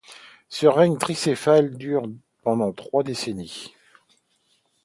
Ce règne tricéphale dure pendant trois décennies.